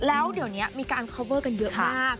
แล้วเดี๋ยวนี้มีการคอเวอร์กันเยอะมาก